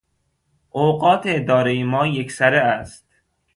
اوقات ادارهٔ ما یکسره است.